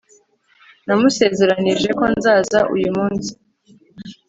namusezeranije ko nzaza uyu munsi